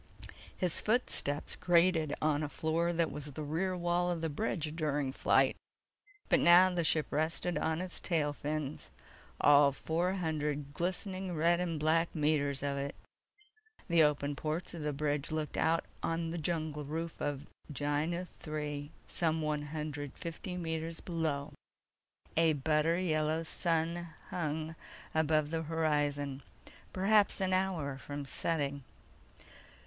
His footsteps grated on a floor that was the rear wall of the bridge during flight. But now the ship rested on its tail fins—all four hundred glistening red and black meters of it. The open ports of the bridge looked out on the jungle roof of Gienah III some one hundred fifty meters below. A butter yellow sun hung above the horizon, perhaps an hour from setting.